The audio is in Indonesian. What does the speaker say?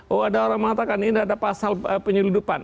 oh ada orang mengatakan ini ada pasal penyeludupan